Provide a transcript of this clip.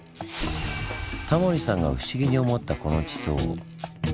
タモリさんが不思議に思ったこの地層。